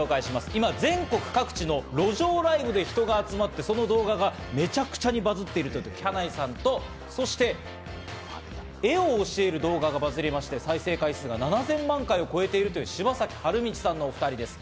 今、全国各地の路上ライブで人が集まって、その動画がめちゃくちゃに絵を教える動画がバズりまして、再生回数が７０００万回を超えるという柴崎春通さんのお２人です。